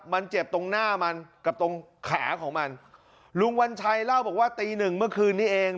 มันเจ็บตรงหน้ามันกับตรงขาของมันลุงวัญชัยเล่าบอกว่าตีหนึ่งเมื่อคืนนี้เอง